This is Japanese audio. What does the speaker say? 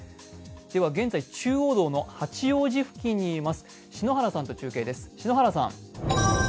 現在、中央道の八王子付近にいます篠原さんと中継です。